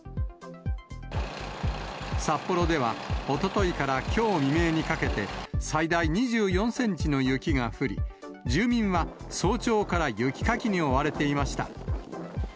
札幌では、おとといからきょう未明にかけて、最大２４センチの雪が降り、住民は早朝から雪かきに追われていました。